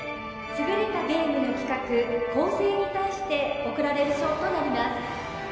優れたゲームの企画構成に対して贈られる賞となります